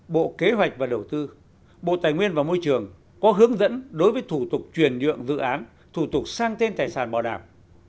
bộ kế hoạch và đầu tư bộ tài nguyên và môi trường có hướng dẫn đối với thủ tục chuyển nhượng dự án thủ tục sang tên tài sản bảo đảm